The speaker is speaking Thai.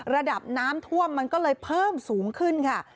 ระดับน้ำท่วมมันก็เลยเพิ่มสูงขึ้นค่ะ